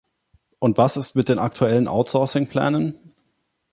Und was ist mit den aktuellen Outsourcing-Plänen?